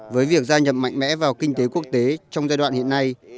với việc gia nhập mạnh mẽ vào kinh tế quốc tế trong giai đoạn hiện nay